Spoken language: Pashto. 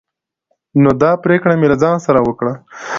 نو دا پريکړه مې له ځان سره وکړه